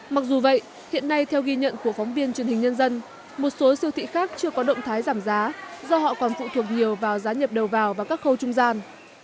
mặc dù vậy hiện nay theo ghi nhận của phóng viên truyền hình nhân dân một số siêu thị khác chưa có động thái giảm giá do họ còn phụ thuộc nhiều vào giá nhập đầu vào và các khâu trung gian